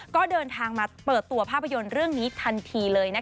ก็เดินทางมาเปิดตัวภาพยนตร์เรื่องนี้ทันทีเลย